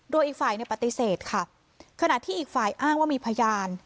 โดยอีกฝ่ายเนี่ยปฏิเสธค่ะขณะที่อีกฝ่ายอ้างว่ามีพยาน